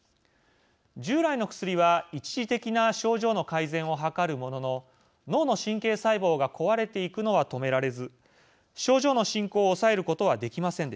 従来の薬は一時的な症状の改善を図るものの脳の神経細胞が壊れていくのは止められず症状の進行を抑えることはできませんでした。